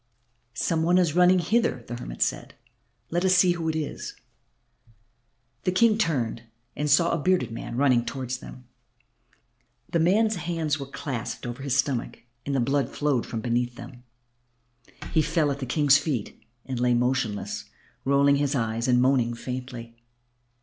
"Some one is running hither," the hermit said. "Let us see who it is." The King turned and saw a bearded man running towards them. The man's hands were clasped over his stomach and the blood flowed from beneath them. He fell at the King's feet and lay motionless, rolling his eyes and moaning faintly.